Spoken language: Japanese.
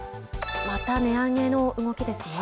また値上げの動きですね。